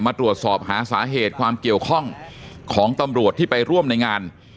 มาตรวจสอบหาสาเหตุความเกี่ยวข้องของตำรวจที่ไปร่วมในงาน